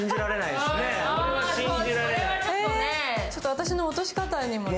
私の落とし方にもね。